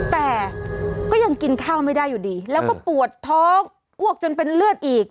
แต่ก็ยังกินข้าวไม่ได้อยู่ดีแล้วก็ปวดท้องอ้วกจนเป็นเลือดอีก